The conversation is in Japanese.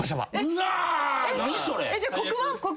うわ何それ！？